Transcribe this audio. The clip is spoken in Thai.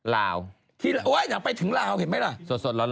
ลาวที่โอ๊ยหนังไปถึงลาวเห็นไหมล่ะสดร้อน